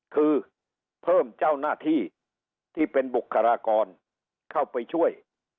คือเพิ่มเจ้าหน้าที่ที่เป็นบุคลากรเข้าไปช่วย